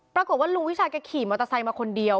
ปรากฏว่าลุงวิชาแกขี่มอเตอร์ไซค์มาคนเดียว